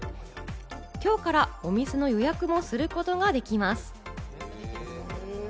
今日からお店の予約もすることができます。